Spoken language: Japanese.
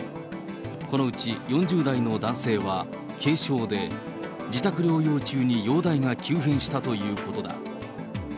このうち４０代の男性は軽症で、自宅療養中に容体が急変したということだ。